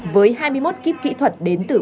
với hai mươi một kíp kỹ thuật đến từ